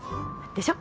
でしょ？